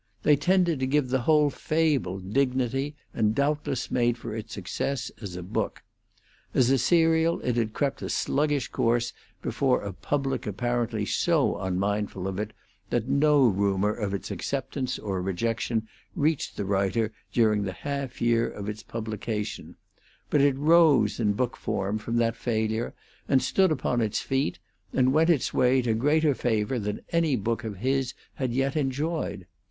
They tended to give the whole fable dignity and doubtless made for its success as a book. As a serial it had crept a sluggish course before a public apparently so unmindful of it that no rumor of its acceptance or rejection reached the writer during the half year of its publication; but it rose in book form from that failure and stood upon its feet and went its way to greater favor than any book of his had yet enjoyed.